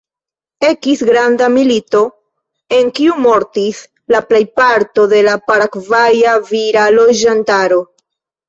Ekis granda milito, en kiu mortis la plejparto de la Paragvaja vira loĝantaro.